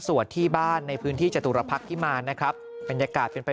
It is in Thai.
ที่บ้านในพื้นที่จตุรพักษ์พิมารนะครับบรรยากาศเป็นไป